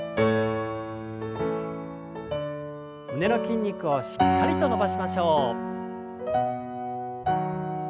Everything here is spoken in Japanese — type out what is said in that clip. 胸の筋肉をしっかりと伸ばしましょう。